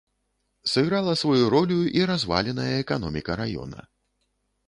Сыграла сваю ролю і разваленая эканоміка раёна.